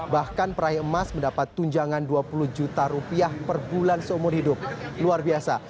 bahkan peraih emas mendapat tunjangan dua puluh juta rupiah per bulan seumur hidup luar biasa